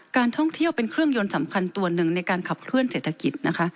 การท่องเที่ยวเป็นเครื่องยนต์สำคัญตัวหนึ่งในการขับเคลื่อเศรษฐกิจนะคะ